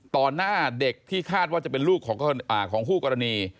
หน้าเด็กที่คาดว่าจะเป็นลูกของคู่กรณี